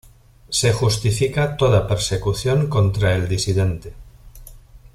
Se justifica toda persecución contra el disidente.